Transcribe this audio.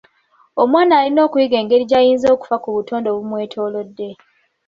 Omwana alina okuyiga engeri gy’ayinza okufa ku butonde obumwetoolodde.